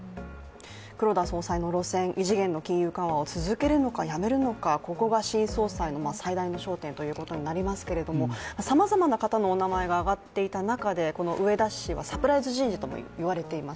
黒田総裁の路線、異次元の金融緩和を続けるのか、やめるのか、ここが新総裁の最大の争点ということになりますけどさまざまな方のお名前があがっていた中でこの植田氏はサプライズ人事とも言われています。